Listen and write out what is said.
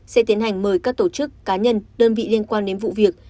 sẽ tiến hành mời các tổ chức cá nhân đơn vị liên quan đến vụ việc